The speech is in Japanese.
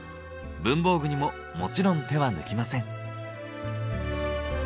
文房具にももちろん手は抜きません。